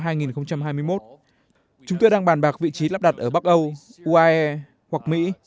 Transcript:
trong năm hai nghìn hai mươi một chúng tôi đang bàn bạc vị trí lắp đặt ở bắc âu uae hoặc mỹ